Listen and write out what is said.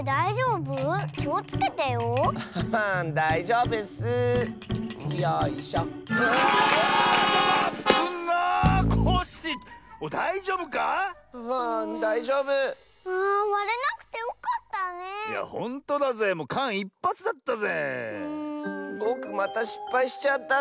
ぼくまたしっぱいしちゃったッス！